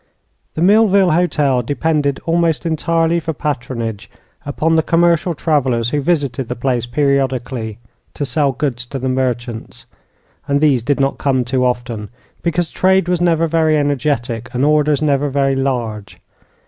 The Millville Hotel depended almost entirely for patronage upon the commercial travelers who visited the place periodically to sell goods to the merchants, and these did not come too often, because trade was never very energetic and orders never very large.